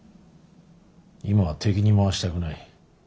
今は敵に回したくない。